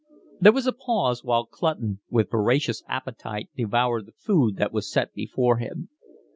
There was a pause while Clutton with voracious appetite devoured the food that was set before him.